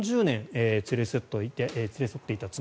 およそ４０年連れ添っていた妻。